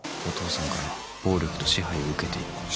お父さんから暴力と支配を受けている。